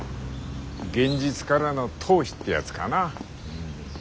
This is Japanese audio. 現実からの逃避ってやつかな。